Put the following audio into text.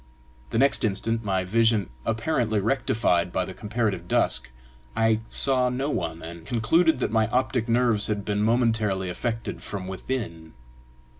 The next instant, my vision apparently rectified by the comparative dusk, I saw no one, and concluded that my optic nerves had been momentarily affected from within.